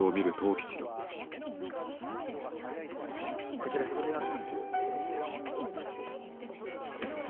こちらでごぜます。